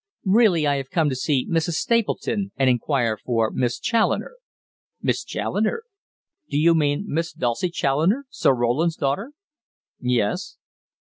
Really I have come to see Mrs. Stapleton and inquire for Miss Challoner." "Miss Challoner? Do you mean Miss Dulcie Challoner, Sir Roland's daughter?" "Yes."